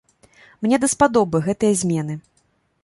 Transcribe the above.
Мне даспадобы гэтыя змены!